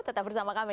tetap bersama kami